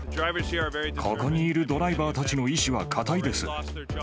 ここにいるドライバーたちの意志は固いです。